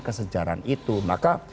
kesejarahan itu maka